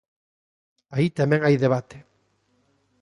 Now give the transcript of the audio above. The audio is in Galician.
Aí tamén hai debate.